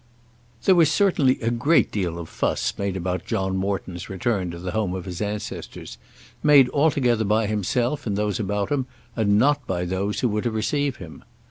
There was certainly a great deal of fuss made about John Morton's return to the home of his ancestors, made altogether by himself and those about him, and not by those who were to receive him.